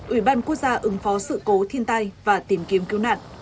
ủy ban quốc gia ứng phó sự cố thiên tai và tìm kiếm cứu nạn